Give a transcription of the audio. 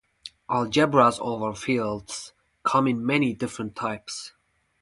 Algebras over fields come in many different types.